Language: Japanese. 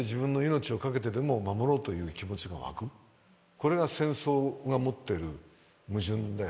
これが戦争が持ってる矛盾だよね。